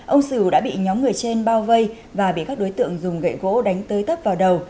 ông sửu đã bị nhóm người trên bao vây và bị các đối tượng dùng gậy gỗ đánh tới tấp vào đầu